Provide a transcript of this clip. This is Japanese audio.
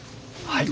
はい。